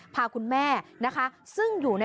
พาคุณแม่นะคะ